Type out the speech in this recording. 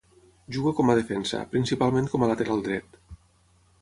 Juga com a defensa, principalment com a lateral dret.